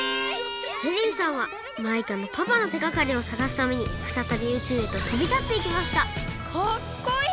ジェリーさんはマイカのパパのてがかりをさがすためにふたたび宇宙へととびたっていきましたかっこいい！